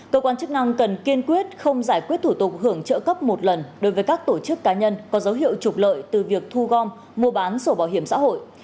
cơ quan chức năng cần kiên quyết không giải quyết thủ tục hưởng trợ cấp một lần đối với các tổ chức cá nhân có dấu hiệu trục lợi từ việc thu gom mua bán sổ bảo hiểm xã hội